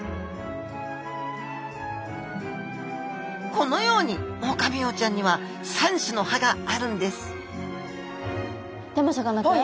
このようにオオカミウオちゃんには３種の歯があるんですでもさかなクン